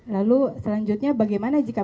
lalu selanjutnya bagaimana jika